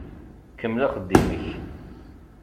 Kemmel axeddim-ik.